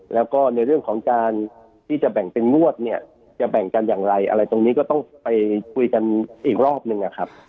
แล้วก็ในเรื่องของการที่จะแบ่งเป็นงวดเนี่ยจะแบ่งกันอย่างไรอะไรตรงนี้ก็ต้องไปคุยกันอีกรอบนึงนะครับ